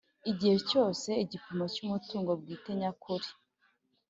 Igihe cyose igipimo cy umutungo bwite nyakuri